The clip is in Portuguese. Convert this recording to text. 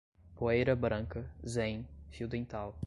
poeira branca, zen, fio dental